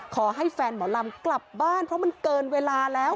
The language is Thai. ขอให้แฟนหมอลำกลับบ้านเพราะมันเกินเวลาแล้ว